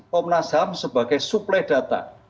komnas ham sebagai suplai data